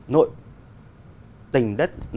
nội tình đất